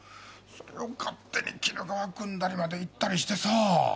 それを勝手に鬼怒川くんだりまで行ったりしてさ。